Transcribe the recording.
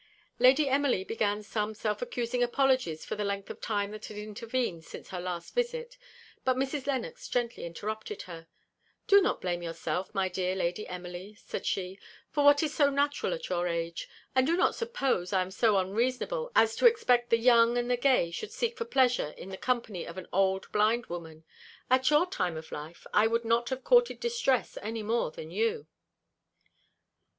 Lady Emily began some self accusing apologies for the length of time that had intervened since her last visit, but Mrs Lennox gently interrupted her. "Do not blame yourself, my dear Lady Emily," said she; "for what is so natural at your age. And do not suppose I am so unreasonable as to expect that the young and the gay should seek for pleasure in the company of an old blind Woman. At your time of life I would not have courted distress anymore than you."